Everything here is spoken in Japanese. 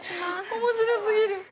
面白すぎる。